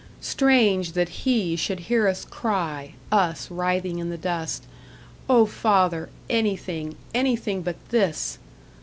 Strange that He should hear us cry us writhing in the dust, "O Father, anything, anything but this!"